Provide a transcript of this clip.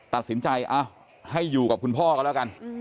ตัดสินใจให้อยู่กับคุณพ่อก็แล้วกัน